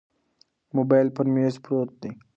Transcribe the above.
موبایل پر مېز پروت دی.